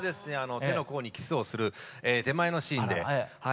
手の甲にキスをする手前のシーンでキスした瞬間